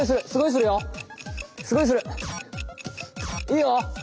いいよ。